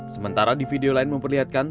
sementara di video lain memperlihatkan